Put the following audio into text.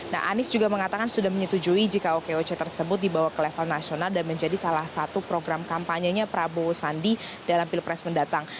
nah anies juga mengatakan sudah menyetujui jika okoc tersebut dibawa ke level nasional dan menjadi salah satu program kampanyenya prabowo sandi dalam pilpres mendatang